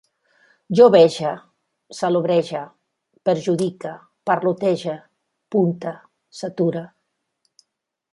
Jo vexe, salobrege, perjudique, parlotege, punte, sature